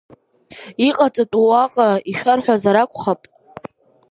Иҟаҵатәу уаҟа ишәарҳәазар акәхап.